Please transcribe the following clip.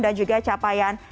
dan juga capaian